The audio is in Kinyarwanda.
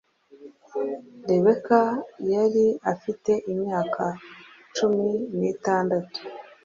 rebecca yari afite imyaka cumi nitandatu